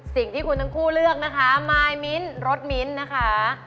สิ่งที่คุณทั้งคู่เลือกนะคะมายมิ้นรถมิ้นนะคะ